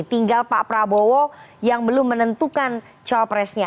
tinggal pak prabowo yang belum menentukan cowok presnya